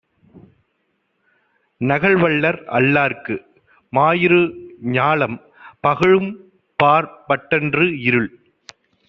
நகல்வல்லர் அல்லார்க்கு, மாயிரு ஞாலம், பகலும்பாற் பட்டன்று; இருள்.